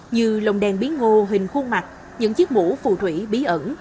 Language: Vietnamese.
như lồng đèn bí ngô hình khuôn mặt những chiếc mũ phù thủy bí ẩn